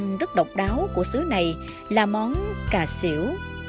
một loài hải sản rất độc đáo của xứ này là món cà xỉu